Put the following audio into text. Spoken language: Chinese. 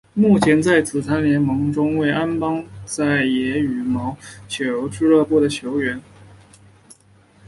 目前在紫盟联赛中为安邦再也羽毛球俱乐部的球员。